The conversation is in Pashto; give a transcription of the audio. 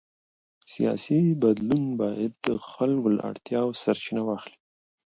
سیاسي بدلون باید د خلکو له اړتیاوو سرچینه واخلي